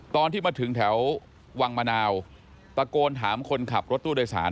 ตอนที่มาถึงแถววังมะนาวตะโกนถามคนขับรถตู้โดยสาร